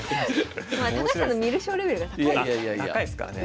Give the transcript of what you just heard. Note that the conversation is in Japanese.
高橋さんの観る将レベルが高いですからね